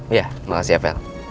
iya makasih ya vel